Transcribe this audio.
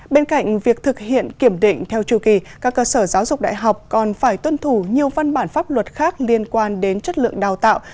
bên cạnh việc thực hiện kiểm định theo chu kỳ các cơ sở giáo dục đại học còn phải tuân thủ nhiều văn bản pháp luật khác liên quan đến chất lượng đào tạo